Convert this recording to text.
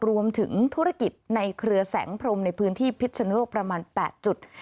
รวมถึงธุรกิจในเครือแสงพรมในพื้นที่พิษนุโลกประมาณ๘จุด